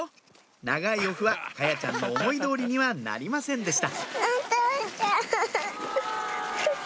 長いお麩は華彩ちゃんの思い通りにはなりませんでした